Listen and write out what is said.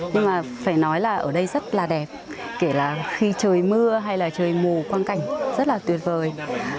nhưng mà phải nói là ở đây rất là đẹp kể là khi trời mưa hay là trời mù quan cảnh rất là tuyệt vời